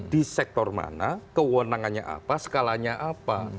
di sektor mana kewenangannya apa skalanya apa